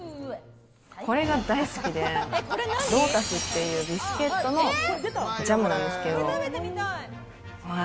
これが大好きで、ロータスっていうビスケットのジャムなんですけど。